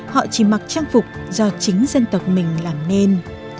họ chỉ mặc trang phục do chính dân tộc mình làm nên